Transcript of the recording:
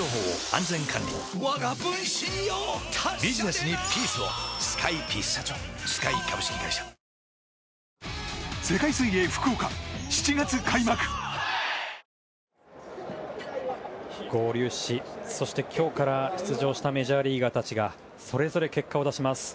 ルーキーの富田にとって合流し、そして今日から出場したメジャーリーガーたちがそれぞれ結果を出します。